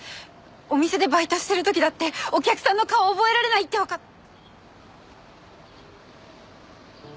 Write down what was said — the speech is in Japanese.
お店でバイトしてる時だってお客さんの顔を覚えられないってわかって。